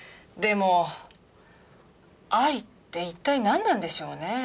でも「愛」って一体何なんでしょうね？